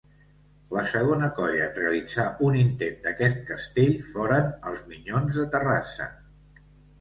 La segona colla en realitzar un intent d'aquest castell foren els Minyons de Terrassa.